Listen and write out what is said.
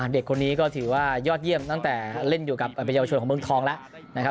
เด็กคนนี้ก็ถือว่ายอดเยี่ยมตั้งแต่เล่นอยู่กับประชาชนของเมืองทองแล้วนะครับ